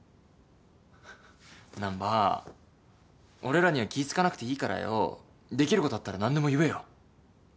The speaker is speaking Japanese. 難破俺らには気ぃ使わなくていいからよできることあったら何でも言えよ。